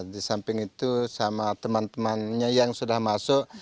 di samping itu sama teman temannya yang sudah masuk